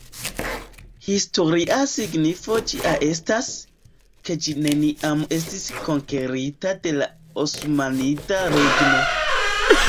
Historia signifo ĝia estas, ke ĝi neniam estis konkerita de la Osmanida Regno.